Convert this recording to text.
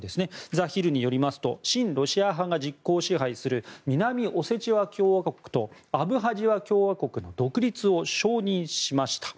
ザ・ヒルによりますと親ロシア派が実効支配する南オセチア共和国とアブハジア共和国の独立を承認しました。